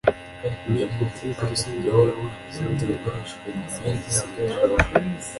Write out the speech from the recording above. Ni ububiko rusange bw’intwaro z’inzego za gisirikare